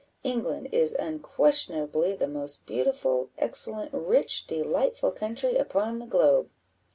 England is unquestionably the most beautiful, excellent, rich, delightful country upon the globe."